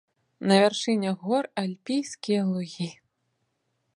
На вяршынях гор альпійскія лугі.